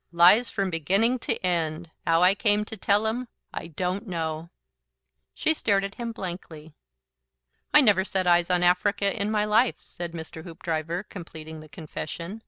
"Lies from beginning to end. 'Ow I came to tell 'em I DON'T know." She stared at him blankly. "I never set eyes on Africa in my life," said Mr. Hoopdriver, completing the confession.